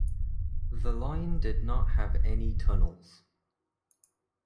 The line did not have any tunnels.